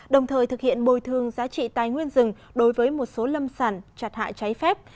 đồng thời thực hiện bồi thương giá trị tài nguyên rừng đối với một số lâm sản chặt hạ trái phép